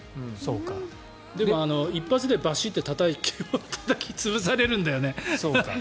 でも一発でバシッてたたき潰されるんだよね。